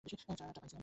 চারটা পাইছি আমরা।